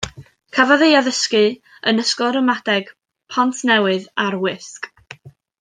Cafodd ei addysgu yn ysgol ramadeg Pontnewydd ar Wysg.